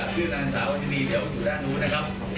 คืนนักท่องเที่ยวอยู่ด้านนู้นนะครับ